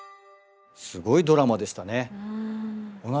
すごいドラマでしたね。